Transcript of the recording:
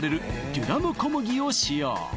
デュラム小麦を使用